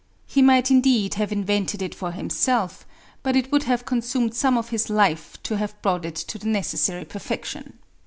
He might indeed have invented it for himself, but it would have consumed some of his life to have brought it to the necessary perfection.